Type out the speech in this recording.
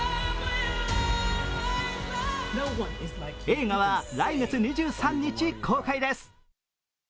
映画は来月２３日公開です。